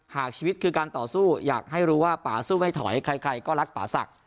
หากชีวิตคือการต่อสู้อยากให้รู้ว่าป่าสู้ไม่ถอยใครก็รักป่าศักดิ